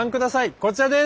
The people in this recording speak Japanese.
こちらです。